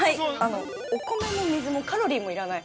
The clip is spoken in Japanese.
◆お米も水もカロリーも要らない。